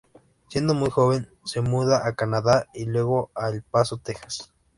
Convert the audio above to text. Siendo muy joven se muda a Canadá y luego a El Paso, Texas.